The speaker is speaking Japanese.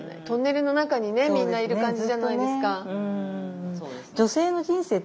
トンネルの中にねみんないる感じじゃないですか。